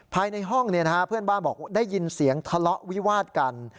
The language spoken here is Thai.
ภายในห้องเพื่อนบ้านบอกได้ยินเสียงทะเลาะวิวาดกัน